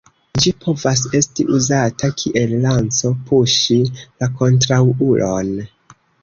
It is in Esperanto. Ĝi povas esti uzata kiel lanco puŝi la kontraŭulon.